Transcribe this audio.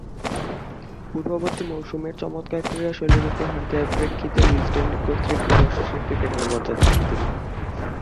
পূর্ববর্তী মৌসুমের চমৎকার ক্রীড়াশৈলীর উপহার দেয়ার প্রেক্ষিতে উইজডেন কর্তৃক বর্ষসেরা ক্রিকেটারের মর্যাদা পান তিনি।